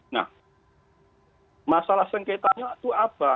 nah masalah sengketanya itu apa